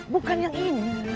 bukan yang ini